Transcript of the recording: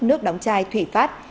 nước đóng chai thủy phát